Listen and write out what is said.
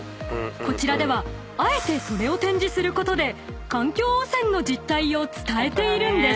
［こちらではあえてそれを展示することで環境汚染の実態を伝えているんです］